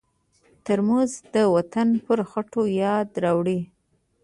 ترموز د وطن پر خټو یاد راوړي.